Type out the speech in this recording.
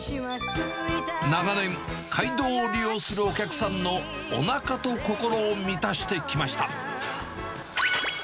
長年、街道を利用するお客さんのおなかと心を満たしてきました。